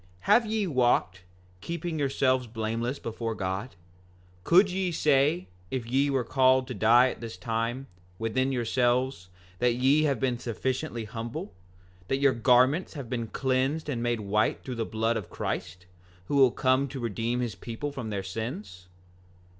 5:27 Have ye walked, keeping yourselves blameless before God? Could ye say, if ye were called to die at this time, within yourselves, that ye have been sufficiently humble? That your garments have been cleansed and made white through the blood of Christ, who will come to redeem his people from their sins?